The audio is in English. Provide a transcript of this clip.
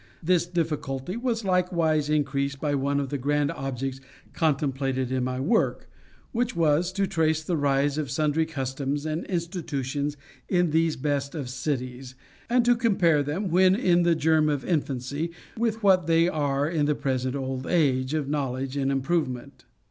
This difficulty was likewise increased by one of the grand objects contemplated in my work, which was to trace the rise of sundry customs and institutions in these best of cities, and to compare them, when in the germ of infancy, with what they are in the present old age of knowledge and improvement.